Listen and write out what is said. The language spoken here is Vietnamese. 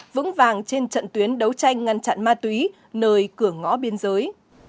vững vàng trên trận tuyến đấu tranh ngăn chặn ma túy nơi cửa ngõ biên giới